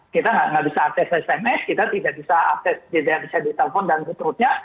kita nggak bisa akses sms kita tidak bisa akses di telpon dan seterusnya